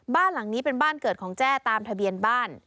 บ้านหลังนี้เป็นบ้านเกิดของแจ้ตามทะเบียนบ้าน